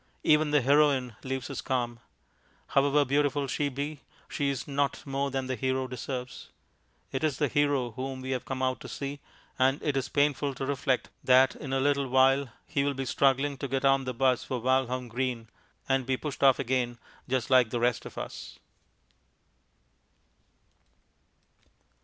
Even the Heroine leaves us calm. However beautiful she be, she is not more than the Hero deserves. It is the Hero whom we have come out to see, and it is painful to reflect that in a little while he will he struggling to get on the 'bus for Walham Green, and be pushed off again just like the rest of us.